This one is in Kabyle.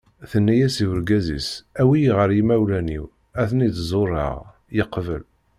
Tenna-as i urgaz-is awi-yi ɣer yimawlan-iw ad ten-id-ẓureɣ. yeqbel.